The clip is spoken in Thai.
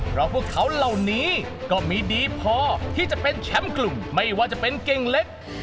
เพราะพวกเขาเหล่านี้ก็มีดีพอที่จะเป็นแชมป์กลุ่มไม่ว่าจะเป็นเก่งเล็ก